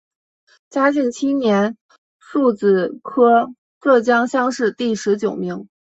嘉靖七年戊子科浙江乡试第十九名。